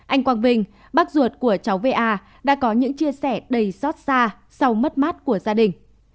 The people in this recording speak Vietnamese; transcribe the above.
anh quang vinh bác ruột của cháu va đã có những chia sẻ đầy xót xa sau mất mát của gia đình